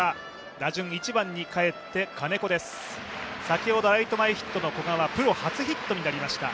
先ほどライト前ヒットの古賀はプロ初ヒットになりました。